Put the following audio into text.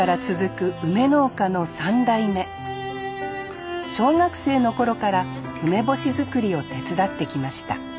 小学生の頃から梅干し作りを手伝ってきました